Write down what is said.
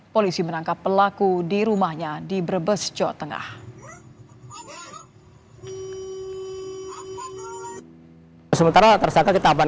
polisi menangkap pelaku di rumahnya di brebes jawa tengah